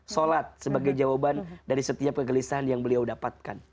sholat sebagai jawaban dari setiap kegelisahan yang beliau dapatkan